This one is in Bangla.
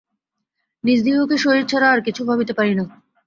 নিজদিগকে শরীর ছাড়া আর কিছু ভাবিতে পারি না।